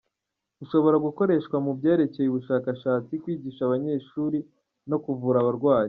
Ushobora gukoreshwa mu byerekeye ubushakashatsi, kwigisha abanyeshuri no kuvura abarwayi.